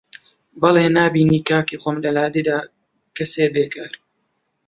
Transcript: بەڵێ نابینی کاکی خۆم لە لادێدا کەسێ بێکار